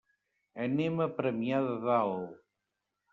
Anem a Premià de Dalt.